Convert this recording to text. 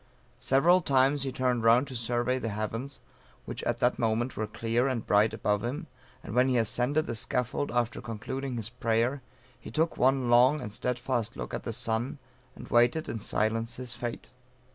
Several times he turned round to survey the heavens which at that moment were clear and bright above him and when he ascended the scaffold after concluding his prayer, he took one long and steadfast look at the sun, and waited in silence his fate.